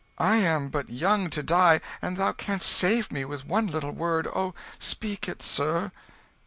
I am but young to die, and thou canst save me with one little word. Oh speak it, sir!"